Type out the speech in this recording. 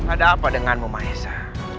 ada apa denganmu maesa